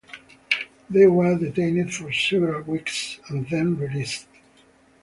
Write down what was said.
They were detained for several weeks and then released.